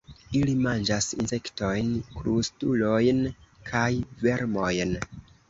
Ili manĝas insektojn, krustulojn kaj vermojn.